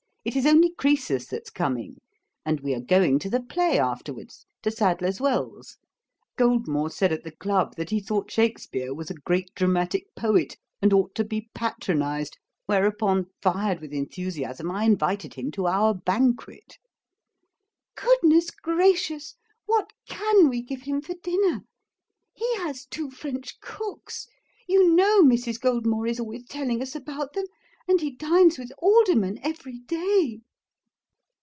It is only Croesus that's coming, and we are going to the play afterwards to Sadler's Wells. Goldmore said at the Club that he thought Shakspeare was a great dramatic poet, and ought to be patronized; whereupon, fired with enthusiasm, I invited him to our banquet.' 'Goodness gracious! what CAN we give him for dinner? He has two French cooks; you know Mrs. Goldmore is always telling us about them; and he dines with Aldermen every day.'